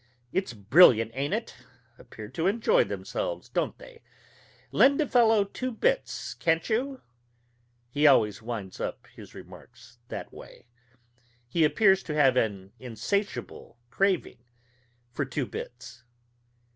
It's brilliant, ain't it? Appear to enjoy themselves, don't they? Lend a fellow two bits, can't you?" He always winds up his remarks that way. He appears to have an insatiable craving for two bits.